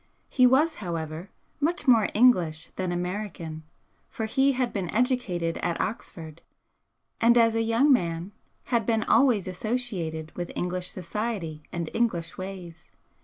He was, however, much more English than American, for he had been educated at Oxford, and as a young man had been always associated with English society and English ways.